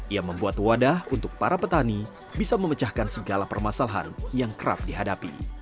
ia membuat wadah untuk para petani bisa memecahkan segala permasalahan yang kerap dihadapi